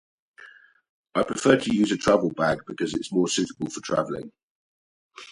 I prefer to use a travel bag, because it is more suitable for travelling.